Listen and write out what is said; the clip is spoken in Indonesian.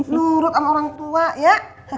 nurut sama orang tua